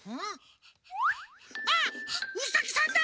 あっウサギさんだ！